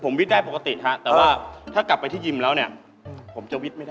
ไม่กล้าวิทย์แบบขยังครับ